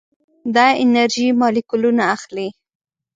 دا انرژي مالیکولونه اخلي.